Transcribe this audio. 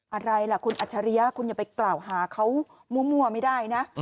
อะไรล่ะคุณอัจฉริยะคุณอย่าไปกล่าวหาเขามั่วไม่ได้นะ